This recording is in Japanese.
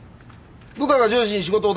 部下が上司に仕事を頼む気か？